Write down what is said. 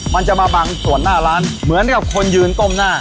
มันจะมาบังส่วนหน้าร้านเหมือนกับคนยืนก้มหน้า